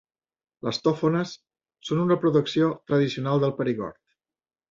Les tòfones són una producció tradicional del Perigord.